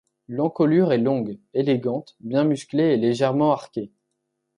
L'encolure est longue, élégante, bien musclée et légèrement arquée.